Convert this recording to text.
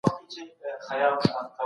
ډېري اوبه څښل د پښتورګو روغتیا ساتي.